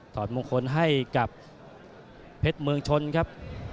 ถอดมงคลให้กับเพชรเมืองชนครับ